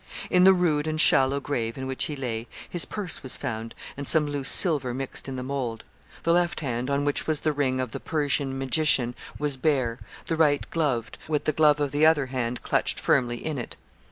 In the rude and shallow grave in which he lay, his purse was found, and some loose silver mixed in the mould. The left hand, on which was the ring of 'the Persian magician,' was bare; the right gloved, with the glove of the other hand clutched firmly in it.